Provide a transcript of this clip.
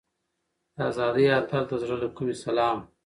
د ازادۍ اتل ته د زړه له کومې سلام.